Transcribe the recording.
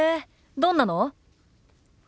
どんなの？